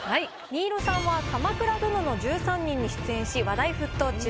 新納さんは「鎌倉殿の１３人」に出演し話題沸騰中。